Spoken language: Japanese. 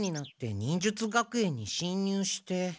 忍術学園に侵入して。